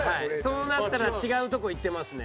そうなったら違うとこいってますね。